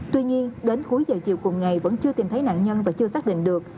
tuy nhiên đến cuối giờ chiều cùng ngày vẫn chưa tìm thấy nạn nhân và chưa xác định được